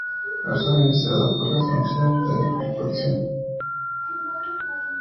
Es organizada por la Asociación de Fútbol de Zimbabue.